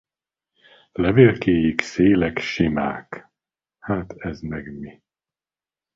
Levélkéik szélek simák.